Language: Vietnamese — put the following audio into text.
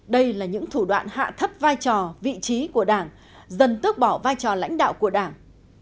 đây là những thủ đoạn hạ thấp vai trò vị trí của đảng dần tước bỏ vai trò lãnh đạo của đảng